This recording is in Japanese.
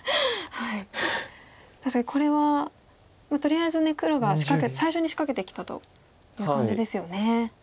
確かにこれはとりあえず黒が最初に仕掛けてきたという感じですよね。